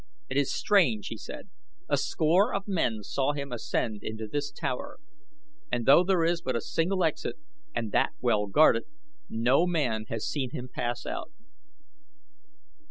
"It is strange," he said. "A score of men saw him ascend into this tower; and though there is but a single exit, and that well guarded, no man has seen him pass out."